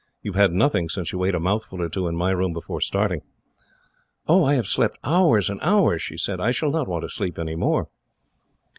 You have had nothing since you ate a mouthful or two, in my room, before starting." "Oh, I have slept hours and hours!" she said. "I shall not want to sleep any more."